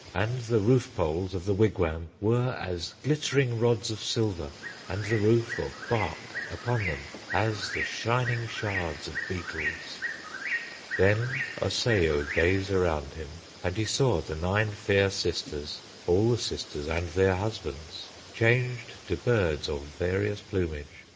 And the roof poles of the wigwam Were as glittering rods of silver, And the roof of bark upon them As the shining shards of beetles. "Then Osseo gazed around him, And he saw the nine fair sisters, All the sisters and their husbands, Changed to birds of various plumage.